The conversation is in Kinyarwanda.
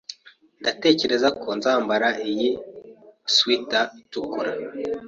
Ndatekereza ko nzambara iyi swater itukura.